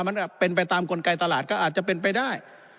มันเป็นไปตามกลไกตลาดก็อาจจะเป็นไปได้